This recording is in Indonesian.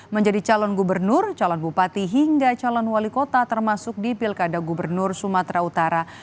menjadi calon gubernur calon bupati hingga calon wali kota termasuk di pilkada gubernur sumatera utara